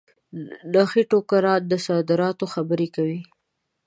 نخې ټوکرانو د صادراتو خبري کوي.